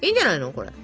これ。